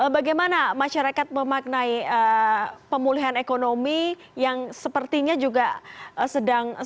bagaimana masyarakat memaknai pemulihan ekonomi yang sepertinya juga sedang berjalan